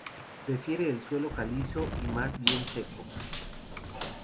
Prefiere el suelo calizo y más bien seco.